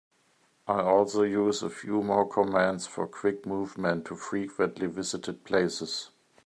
I also use a few more commands for quick movement to frequently visited places.